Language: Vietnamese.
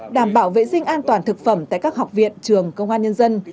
đảm bảo vệ sinh an toàn thực phẩm tại các học viện trường công an nhân dân